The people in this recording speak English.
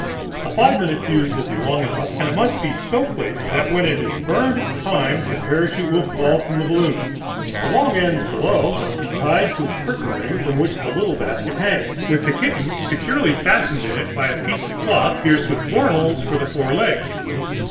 A five minute fuse will be long enough, and it must be so placed that when it has burned its time the parachute will fall from the balloon. The long ends below must be tied to a curtain ring, from which the little basket hangs, with the kitten securely fastened in it by a piece of cloth pierced with four holes for the four legs.